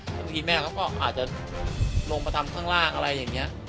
บางทีแม่เขาก็อาจจะลงมาทำข้างล่างอะไรอย่างนี้